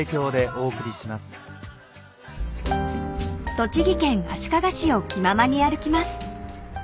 ［栃木県足利市を気ままに歩きます］